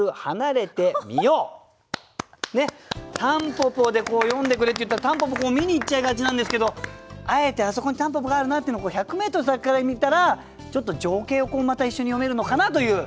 「蒲公英」で詠んでくれっていったら蒲公英見に行っちゃいがちなんですけどあえて「あそこに蒲公英があるな」っていうのを１００ｍ先から見たら情景をまた一緒に詠めるのかなという。